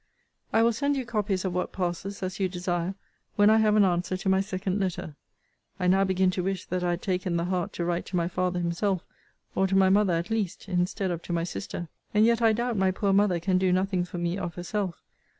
I will send you copies of what passes, as you desire, when I have an answer to my second letter. I now begin to wish that I had taken the heart to write to my father himself; or to my mother, at least; instead of to my sister; and yet I doubt my poor mother can do nothing for me of herself.